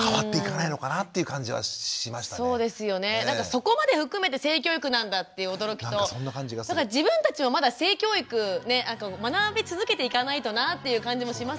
そこまで含めて性教育なんだっていう驚きと自分たちもまだ性教育学び続けていかないとなっていう感じもしますよね。